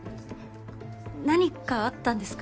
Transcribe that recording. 何かあったんですか？